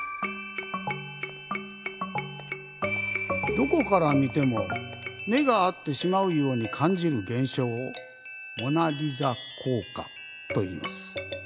どこから見ても目が合ってしまうように感じる現象をモナ・リザ効果といいます。